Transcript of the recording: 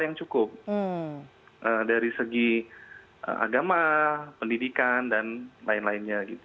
yang cukup dari segi agama pendidikan dan lain lainnya gitu